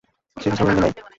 কিসের অভিনন্দন, ভাই?